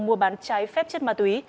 mua bán trái phép chất ma túy